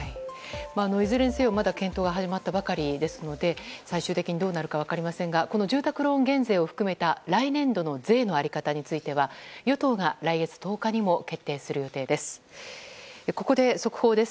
いずれにせよまだ検討が始まったばかりなので最終的にどうなるか分かりませんがこの住宅ローン減税を含めた来年度の税の在り方については与党が来月１０日にも決定する予定です。